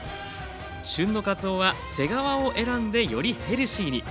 旬のかつおは背側を選んでよりヘルシーに。